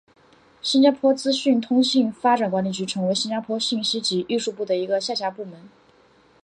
新加坡资讯通信发展管理局成为新加坡信息及艺术部的一个下辖部门。